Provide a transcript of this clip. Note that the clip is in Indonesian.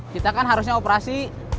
kita kan harusnya operasi